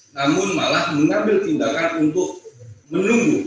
namun malah mengambil tindakan untuk menunggu